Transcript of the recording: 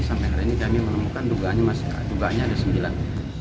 sampai hari ini kami menemukan dugaannya ada sembilan